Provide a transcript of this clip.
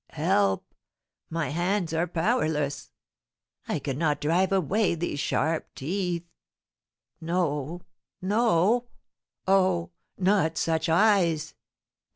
Help! My hands are powerless; I cannot drive away these sharp teeth! No, no! Oh! Not such eyes!